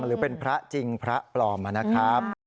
หรือเป็นพระจริงพระปลอมนะครับ